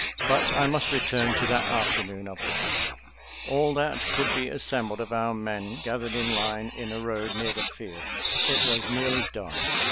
But I must return to that afternoon of the battle. All that could be assembled of our men gathered in line in a road near the field. It was nearly dark.